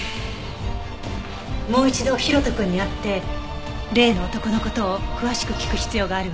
もう一度大翔くんに会って例の男の事を詳しく聞く必要があるわね。